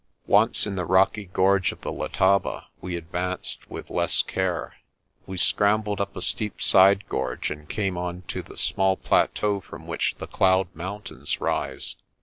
Once in the rocky gorge of the Letaba we advanced with less care. We scrambled up a steep side gorge and came on to the small plateau from which the Cloud Mountains rise.